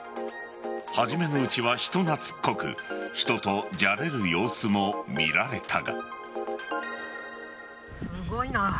初めのうちは人懐っこく人とじゃれる様子も見られたが。